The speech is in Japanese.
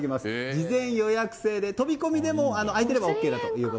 事前予約制で飛び込みでも空いていればＯＫです。